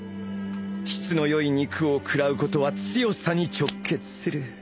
質の良い肉を喰らうことは強さに直結する